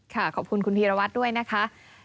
ขอบคุณคุณพีรวัตรด้วยนะคะ